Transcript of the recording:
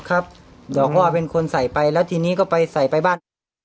ดอกว่าเป็นคนใส่ไปแล้วทีนี้ก็ไปใส่ไปบ้าน